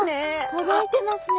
届いてますね。